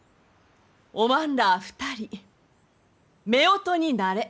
おまんら２人めおとになれ。